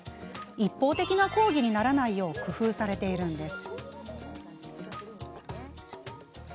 一方的な講義にならないよう工夫されているんです。